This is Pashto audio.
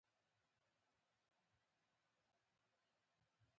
هیڅ څوک نه پوهیږي څه وکړي.